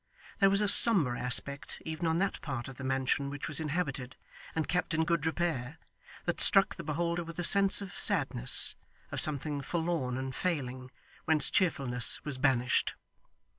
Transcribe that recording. There was a sombre aspect even on that part of the mansion which was inhabited and kept in good repair, that struck the beholder with a sense of sadness; of something forlorn and failing, whence cheerfulness was banished.